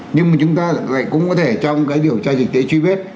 nhưng mà chúng ta lại cũng có thể trong cái điều cho dịch tế truy bếp